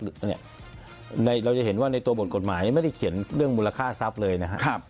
เราจะเห็นว่าในตัวบทกฎหมายไม่ได้เขียนเรื่องมูลค่าทรัพย์เลยนะครับ